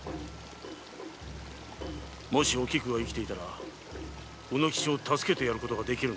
もしおきくが生きていたら卯之吉を助けてやることができる。